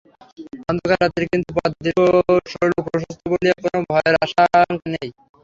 অন্ধকার রাত্রি, কিন্তু পথ দীর্ঘ সরল প্রশস্ত বলিয়া কোন ভয়ের আশঙ্কা নাই।